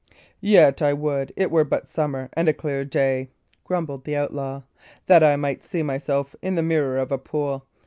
"Yet I would it were but summer and a clear day," grumbled the outlaw, "that I might see myself in the mirror of a pool.